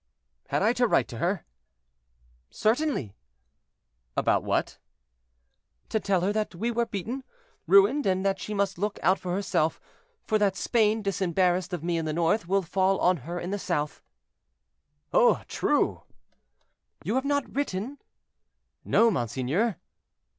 "Had I to write to her?" "Certainly." "About what?" "To tell her that we are beaten—ruined, and that she must look out for herself; for that Spain, disembarrassed of me in the north, will fall on her in the south." "Ah! true." "You have not written?" "No, monseigneur."